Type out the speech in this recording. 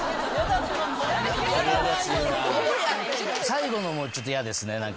最後のもちょっと嫌ですね。